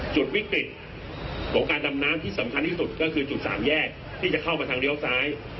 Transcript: จุดวิกฤตของการดำน้ำที่สำคัญที่สุดก็คือจุดสามแยกที่จะเข้ามาทางเลี้ยวซ้าย